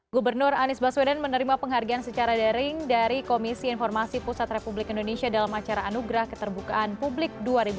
gubernur anies baswedan menerima penghargaan secara daring dari komisi informasi pusat republik indonesia dalam acara anugerah keterbukaan publik dua ribu dua puluh